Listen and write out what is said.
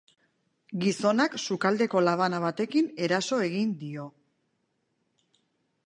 Gizonak sukaldeko labana batekin eraso egin dio.